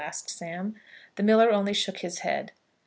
asked Sam. The miller only shook his head.